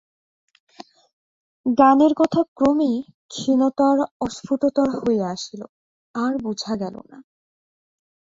গানের কথা ক্রমে ক্ষীণতর অস্ফুটতর হইয়া আসিল, আর বুঝা গেল না।